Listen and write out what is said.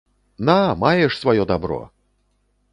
На, маеш сваё дабро!